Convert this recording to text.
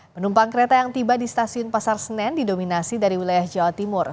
penumpang kereta yang tiba di stasiun pasar senen didominasi dari wilayah jawa timur